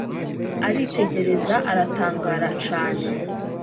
Aritegereza aratangara, cane